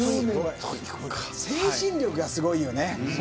精神力が、すごいよね。